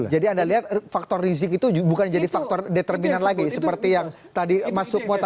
jadi anda lihat faktor risik itu bukan jadi faktor determinan lagi seperti yang tadi mas sukmo tadi katakan